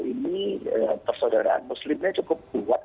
ini persaudaraan muslimnya cukup kuat